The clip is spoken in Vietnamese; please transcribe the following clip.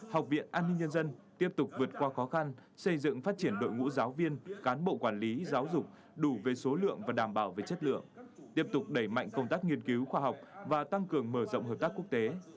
học viện an ninh nhân dân tiếp tục vượt qua khó khăn xây dựng phát triển đội ngũ giáo viên cán bộ quản lý giáo dục đủ về số lượng và đảm bảo về chất lượng tiếp tục đẩy mạnh công tác nghiên cứu khoa học và tăng cường mở rộng hợp tác quốc tế